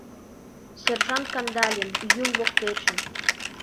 — Сержант Кандалин — Юл воктечын.